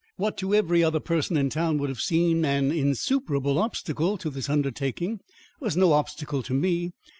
What to every other person in town would have seemed an insuperable obstacle to this undertaking, was no obstacle to me.